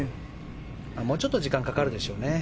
もうちょっと時間がかかるでしょうね。